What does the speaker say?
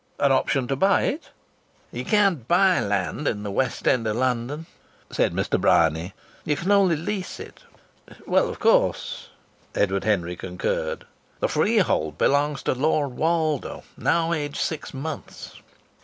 "An option to buy it?" "You can't buy land in the West End of London," said Mr. Bryany, sagely. "You can only lease it." "Well, of course!" Edward Henry concurred. "The freehold belongs to Lord Woldo, now aged six months."